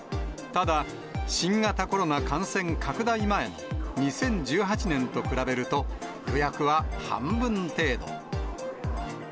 ただ、新型コロナ感染拡大前の２０１８年と比べると、予約は半分程度。